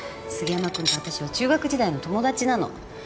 杉山君と私は中学時代の友達なの。